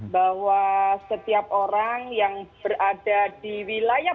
bahwa setiap orang yang berada di wilayah